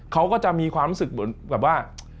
เขาก็จะมีความรู้สึกแบบว่า